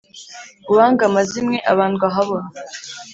Uwanga amazimwe abandwa habona.